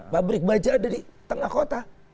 pabrik baja ada di tengah kota